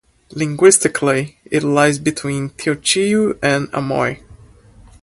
Linguistically, it lies between Teochew and Amoy.